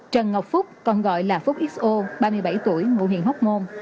trần ngọc phúc còn gọi là phúc x o ba mươi bảy tuổi ngụ hiền hốc môn